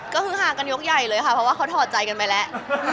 ก็คือหากันยกใหญ่เลยค่ะเพราะว่าเขาถอดใจกันไปแล้ว